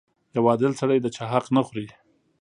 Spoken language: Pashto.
• یو عادل سړی د چا حق نه خوري.